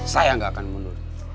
saya gak akan mundur